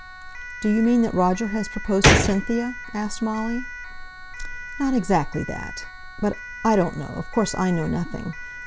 "Do you mean that Roger has proposed to Cynthia?" asked Molly. "Not exactly that. But I don't know; of course I know nothing.